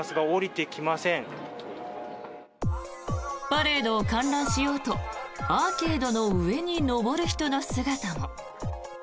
パレードを観覧しようとアーケードの上に上る人の姿も。